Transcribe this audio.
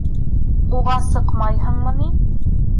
Уға сыҡмайһыңмы ни?